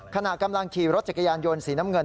ขณะกำลังขี่รถจักรยานยนต์สีน้ำเงิน